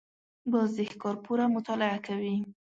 باز د ښکار پوره مطالعه کوي